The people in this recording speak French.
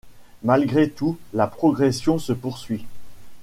Malgré tout, la progression se poursuit.